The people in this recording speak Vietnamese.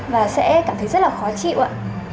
và sẽ cảm thấy rất là khó chịu ạ